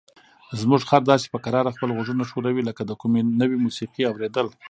زموږ خر داسې په کراره خپل غوږونه ښوروي لکه د کومې نوې موسیقۍ اوریدل.